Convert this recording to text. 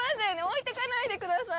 置いてかないでくださいよ。